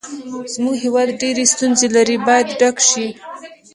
زموږ هېواد ډېرې ستونزې لري باید ډک شي.